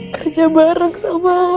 kerja bareng sama lo